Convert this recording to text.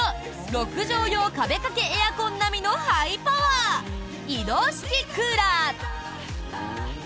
６畳用壁掛けエアコン並みのハイパワー、移動式クーラー。